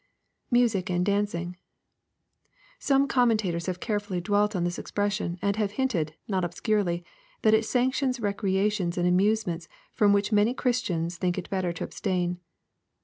[Music and dancing.] Some commentators have carefully dwelt on this expression, and have hinted, not obscurely, that it sanctions recreations and amusements from which many Christians think it better to abstain.